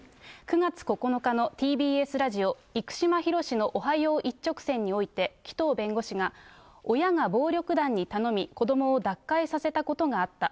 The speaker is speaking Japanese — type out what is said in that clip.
９月９日のＴＢＳラジオ、生島ヒロシのおはよう一直線において、紀藤弁護士が、親が暴力団に頼み、子どもを脱会させたことがあった。